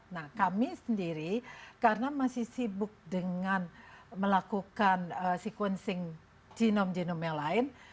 nah kami sendiri karena masih sibuk dengan melakukan sequencing genome genome yang lain